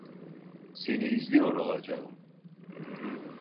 Seni izliyor olacağım.